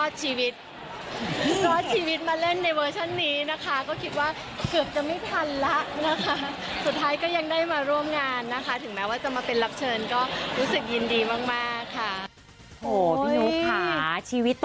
ดีใจนะคะที่ได้รอดชีวิต